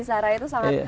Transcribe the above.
sarah itu sangat